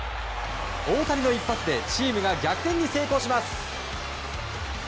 大谷の一発でチームが逆転に成功します。